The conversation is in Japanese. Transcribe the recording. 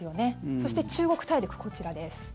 そして中国大陸、こちらです。